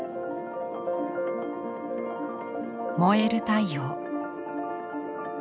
燃える太陽。